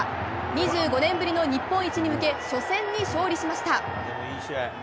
２５年ぶりの日本一に向け初戦に勝利しました。